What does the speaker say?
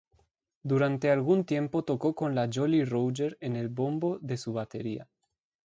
Durante algún tiempo tocó con la Jolly Roger en el bombo de su batería.